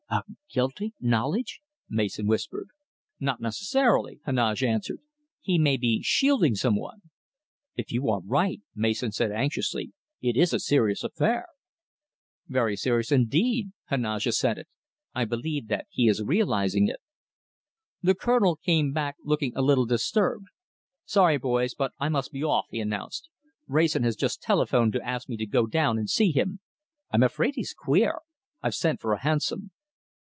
"A guilty knowledge?" Mason whispered. "Not necessarily!" Heneage answered. "He may be shielding some one." "If you are right," Mason said anxiously, "it is a serious affair." "Very serious indeed," Heneage assented. "I believe that he is realizing it." The Colonel came back looking a little disturbed. "Sorry, boys, but I must be off," he announced. "Wrayson has just telephoned to ask me to go down and see him. I'm afraid he's queer! I've sent for a hansom."